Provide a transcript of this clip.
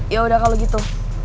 yaudah kalo gitu